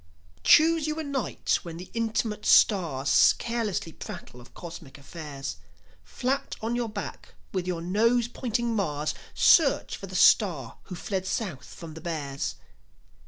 Choose you a night when the intimate stars Carelessly prattle of cosmic affairs. Flat on your back, with your nose pointing Mars, Search for the star who fled South from the Bears.